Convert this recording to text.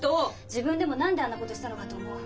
自分でも何であんなことしたのかと思う。